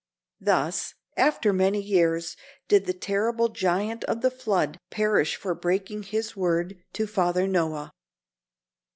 Thus, after many years, did the terrible giant of the flood perish for breaking his word to Father Noah.